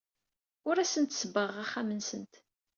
Ur asent-sebbɣeɣ axxam-nsent.